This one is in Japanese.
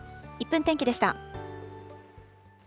１分天気でした。